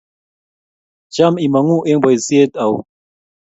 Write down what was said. Cham imangu eng boisiet au?